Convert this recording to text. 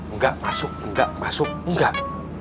enggak masuk enggak masuk enggak